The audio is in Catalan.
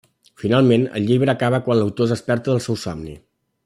Finalment, el llibre acaba quan l'autor es desperta del seu somni.